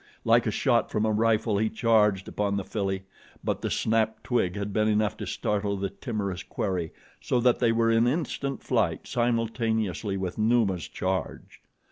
Like a shot from a rifle he charged upon the filly; but the snapped twig had been enough to startle the timorous quarry, so that they were in instant flight simultaneously with Numa's charge.